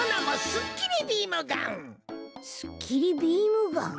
すっきりビームガン？